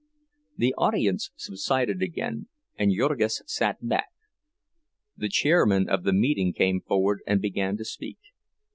The audience subsided again, and Jurgis sat back. The chairman of the meeting came forward and began to speak.